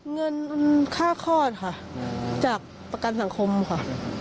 เงินค่าคลอดค่ะจากประกันสังคมค่ะ